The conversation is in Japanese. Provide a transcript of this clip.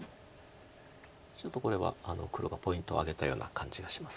ちょっとこれは黒がポイントを挙げたような感じがします